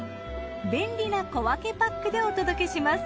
便利な小分けパックでお届けします。